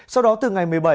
sau đó từ ngày một mươi bảy